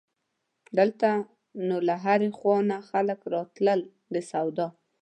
دلته نو له هرې خوا نه خلک راتلل د سودا.